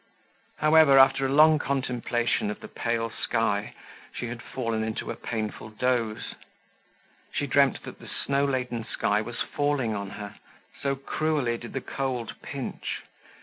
However, after a long contemplation of the pale sky, she had fallen into a painful doze. She dreamt that the snow laden sky was falling on her, so cruelly did the cold pinch.